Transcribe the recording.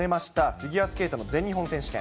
フィギュアスケートの全日本選手権。